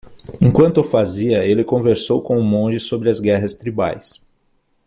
Enquanto o fazia, ele conversou com o monge sobre as guerras tribais.